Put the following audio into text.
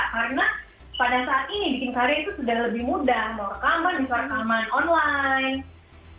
karena pada saat ini bikin karya itu sudah lebih mudah mau rekaman bisa rekaman online